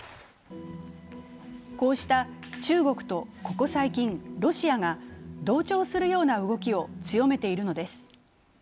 こうした中国と、ここ最近ロシアが同調するような動きを強めているのです。